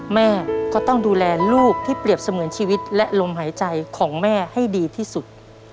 แม่ก็ต้องดูแลลูกที่เปรียบเสมือนชีวิตและลมหายใจของแม่ให้ดีที่สุด